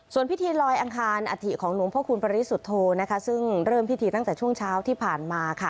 ส่วนพิธีลอยอังคารอัฐิของหลวงพ่อคุณปริสุทธโธนะคะซึ่งเริ่มพิธีตั้งแต่ช่วงเช้าที่ผ่านมาค่ะ